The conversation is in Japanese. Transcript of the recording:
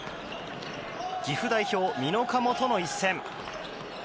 岐阜代表・美濃加茂との一戦。